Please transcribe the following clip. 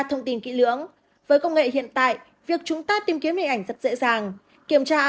thông tin kỹ lưỡng với công nghệ hiện tại việc chúng ta tìm kiếm hình ảnh rất dễ dàng kiểm tra